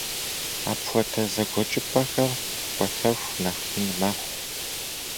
Апхуэдэ зэгуэкӏыпӏэхэр кӏуэтэху нэхъ ин мэхъу.